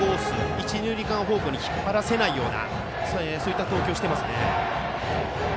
一、二塁間方向に引っ張らせないような投球をしていますね。